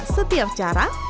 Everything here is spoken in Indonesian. setiap cara ada masanya